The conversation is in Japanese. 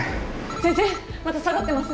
先生また下がってます。